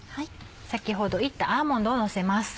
先ほど炒ったアーモンドをのせます。